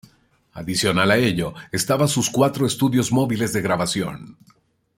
Adicional a ello, estaba sus cuatro estudios móviles de grabación.